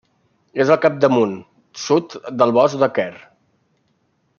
És al capdamunt, sud, del Bosc del Quer.